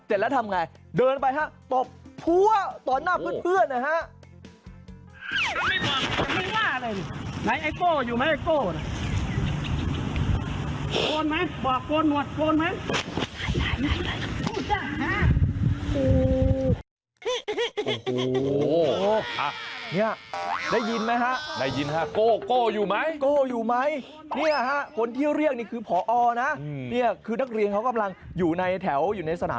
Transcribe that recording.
เสร็จแล้วทำยังไงเดินไปตบพัวตอนหน้าเพื่อน